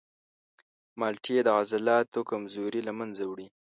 مالټې د عضلاتو کمزوري له منځه وړي.